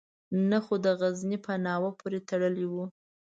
نه خو د غزني په ناوه پورې تړلی وو.